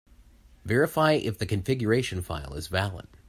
Verify if the configuration file is valid.